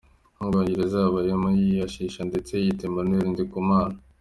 Mu Bwongereza yabayeyo yihishahisha ndetse yiyita Emmanuel Ndikumana.